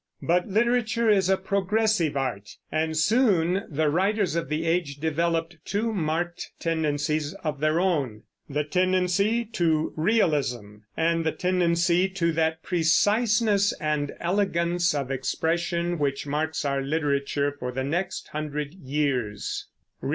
But literature is a progressive art, and soon the writers of the age developed two marked tendencies of their own, the tendency to realism, and the tendency to that preciseness and elegance of expression which marks our literature for the next hundred years.